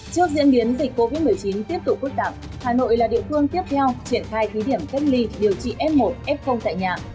trước diễn biến dịch covid một mươi chín tiếp tục phức tạp hà nội là địa phương tiếp theo triển khai thí điểm cách ly điều trị f một f tại nhà